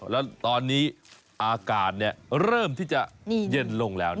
แล้วตอนนี้อากาศเริ่มที่จะเย็นลงแล้ว